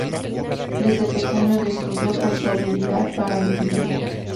Desde pequeño, descolló por su habilidad para el dibujo.